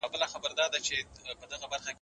دا کيسه موږ ته د هوښيارۍ یو ستر درس راکوي.